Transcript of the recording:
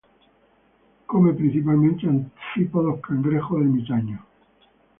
Come principalmente anfípodos cangrejos ermitaños.